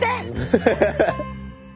ハハハハ。